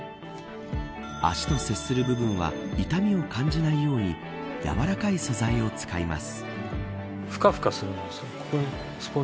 足と接する部分は痛みを感じないように柔らかい素材を使います。